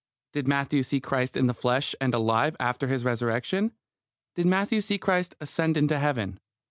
Did Matthew see Christ in the flesh and alive after His Resurrection? Did Matthew see Christ ascend into Heaven?